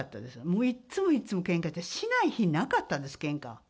もういつもいつもけんかして、しない日なかったです、けんか。